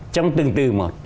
trong từng từ một